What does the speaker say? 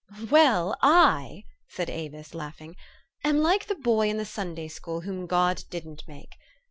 "Well, I," said Avis, laughing, "am like the boy in the Sunday school, whom God didn't make.